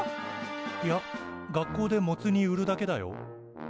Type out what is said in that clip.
いや学校でモツ煮売るだけだよ。